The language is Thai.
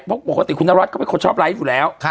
เพราะปกติคุณนวัดเขาเป็นคนชอบไลฟ์อยู่แล้ว